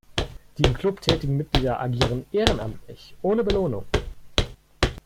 Die im Club tätigen Mitglieder agieren ehrenamtlich, ohne Belohnung.